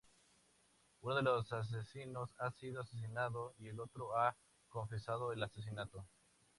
Uno de los asesinos ha sido asesinado, y el otro ha confesado el asesinato.